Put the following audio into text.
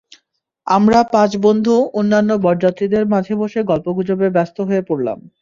আমরা পাঁচ বন্ধু অন্যান্য বরযাত্রীদের মাঝে বসে গল্প-গুজবে ব্যস্ত হয়ে পড়লাম।